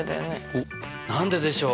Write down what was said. おっ何ででしょう？